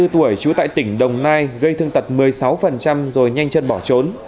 ba mươi tuổi trú tại tỉnh đồng nai gây thương tật một mươi sáu rồi nhanh chân bỏ trốn